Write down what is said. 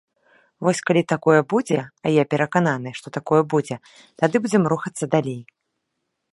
Вось калі такое будзе, а я перакананы, што такое будзе, тады будзем рухацца далей.